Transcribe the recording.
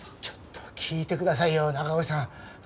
ちょっと聞いてくださいよ中越さん。